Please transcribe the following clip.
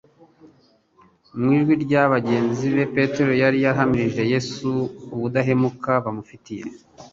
Mu ijwi rya bagenzi be Petero yari yarahamirije Yesu ubudahemuka bamufitiye.